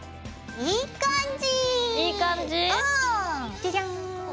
いい感じ！